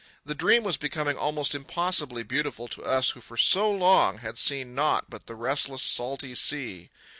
The dream was becoming almost impossibly beautiful to us who for so long had seen naught but the restless, salty sea.